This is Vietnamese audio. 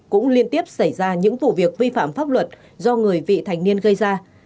cũng liên tiếp xảy ra những vụ việc vi phạm pháp luật do người vị thành niên gây ra